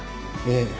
ええ。